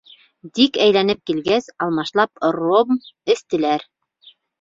Дик әйләнеп килгәс, алмашлап ром эстеләр.